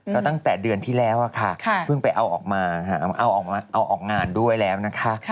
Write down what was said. ก็ตั้งแต่เดือนที่แล้วค่ะเพิ่งไปเอาออกมาเอาออกงานด้วยแล้วนะคะ